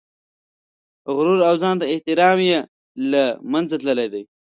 غرور او ځان ته احترام یې له منځه تللي دي.